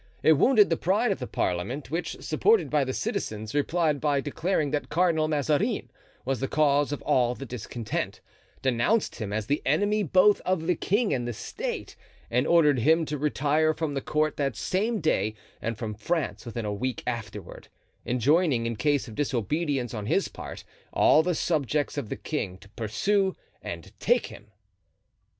It wounded the pride of the parliament, which, supported by the citizens, replied by declaring that Cardinal Mazarin was the cause of all the discontent; denounced him as the enemy both of the king and the state, and ordered him to retire from the court that same day and from France within a week afterward; enjoining, in case of disobedience on his part, all the subjects of the king to pursue and take him.